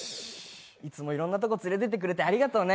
いつもいろんなとこ連れてってくれて、ありがとね。